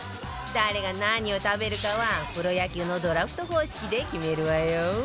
誰が何を食べるかはプロ野球のドラフト方式で決めるわよ